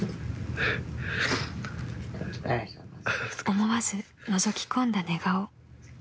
［思わずのぞき込んだ寝顔］